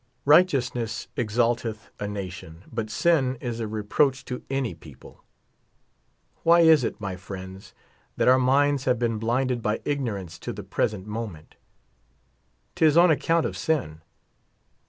4 Righteousness exalteth a nation, but sin is a reproach to an}^ people. Why is it, my friends, that our minds have been blinded bj* ignorance to the present moment? Tis on account of sin.